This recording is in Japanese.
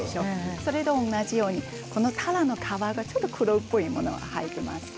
それと同じように、たらの皮がちょっと黒っぽいものが入っています。